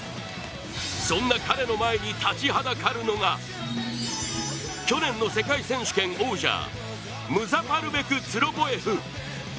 そんな彼の前に立ちはだかるのが去年の世界選手権王者ムザファルベク・ツロボエフ。